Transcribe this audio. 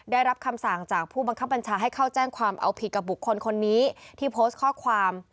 ได้รับคำสั่งจากผู้บังคับบัญชาให้เข้าแจ้งความเอาผิดกับบุคคลคนนี้ที่โพสต์ข้อความ